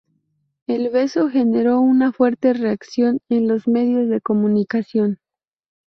El beso generó una fuerte reacción en los medios de comunicación.